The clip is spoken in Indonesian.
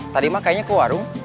tadimah kayaknya ke warung